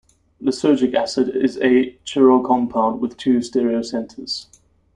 Lysergic acid is a chiral compound with two stereocenters.